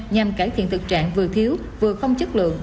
nhằm cải thiện thực trạng vừa thiếu vừa không chất lượng